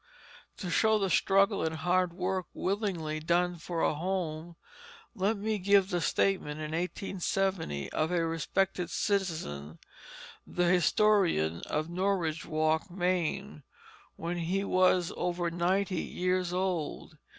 To show the struggle and hard work willingly done for a home, let me give the statement in 1870 of a respected citizen, the historian of Norridgewock, Maine, when he was over ninety years old.